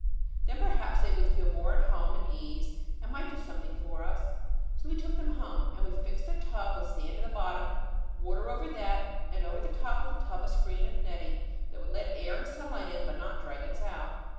Then, perhaps, they would feel more at home and ease, and might do something for us. So we took them home. And we fixed a tub with sand in the bottom, water over that, and over the top of the tub a screen of netting that would let air and sunlight in, but not dragons out.